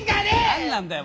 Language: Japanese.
何なんだよ